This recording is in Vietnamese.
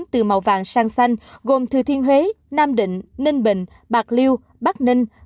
quảng ngãi tây ninh